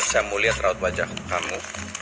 saya mau lihat raut wajah kamu